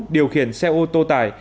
điều khiển xe ô tô tải